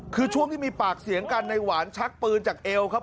คือช่วงที่มีปากเสียงกันในหวานชักปืนจากเอวครับ